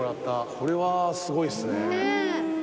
これはすごいですね。